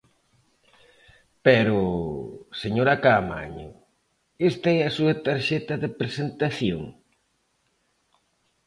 Pero, señora Caamaño, ¿esta é a súa tarxeta de presentación?